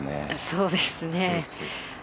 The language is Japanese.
そうですね。